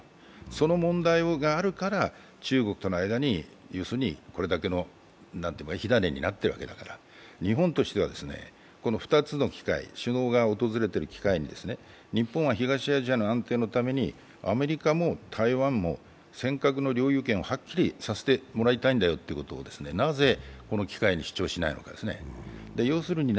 その問題があるから、中国との間に、要するにこれだけの火種になってるわけだから、日本としは、この２つの機会、首脳が訪れている機会に日本は東アジアの安定のためにアメリカも台湾も尖閣の領有権をはっきりさせてもらいたいんだよということをなぜ、この機会に主張しないのかですね。